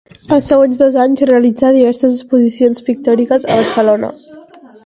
Els següents dos anys realitzà diverses exposicions pictòriques a Barcelona.